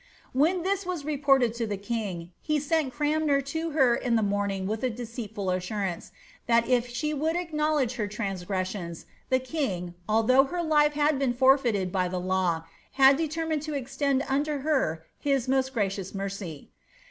^ When this was reported to the king, he sent Cranmer to her in the morning with a deceitful assurance, that if she would acknowledge her transgressions, the king, although her life had been forfeited by the law, had determined to extend unto her his most gracious mercy."